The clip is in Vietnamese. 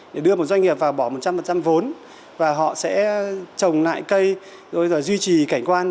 để đưa một doanh nghiệp vào bỏ một trăm linh vốn và họ sẽ trồng lại cây rồi duy trì cảnh quan